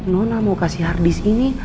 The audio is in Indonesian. nona mau kasih harddisk ini